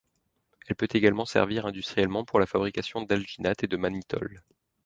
Elle peut également servir industriellement pour la fabrication d'alginates et de mannitol.